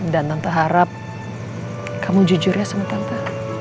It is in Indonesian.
dan tante harap kamu jujur ya sama tante